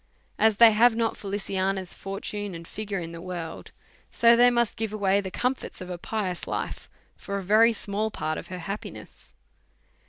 As they have not Feliciana's fortune and figure in the world, so they must give away tlie comforts of a pious life for a very small part of her happiness.